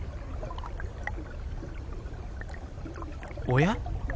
おや？